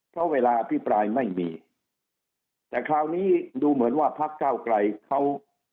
เพราะเวลาอภิปรายไม่มีแต่คราวนี้ดูเหมือนว่าพักเก้าไกลเขา